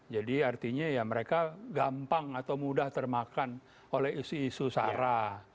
jadi artinya ya mereka gampang atau mudah termakan oleh isu isu sarah